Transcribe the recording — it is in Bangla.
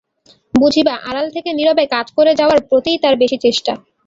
বুঝিবা আড়াল থেকে নীরবে কাজ করে যাওয়ার প্রতিই তাঁর বেশি চেষ্টা।